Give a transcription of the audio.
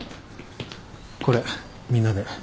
これみんなで。